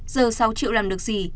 giờ sáu triệu làm được gì